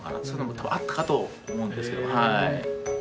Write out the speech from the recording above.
そういうのも多分あったかと思うんですけど。